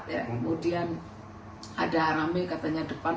kemudian ada rame katanya depan